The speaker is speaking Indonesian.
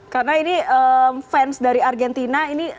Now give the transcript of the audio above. karena ini fans dari argentina ini